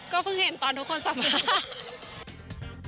ก็เพิ่งเห็นตอนทุกคนสำหรับ